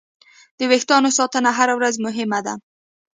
د وېښتیانو ساتنه هره ورځ مهمه ده.